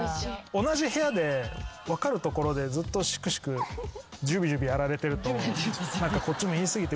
同じ部屋で分かるところでずっとシクシクジュビジュビやられてるとこっちも言い過ぎて。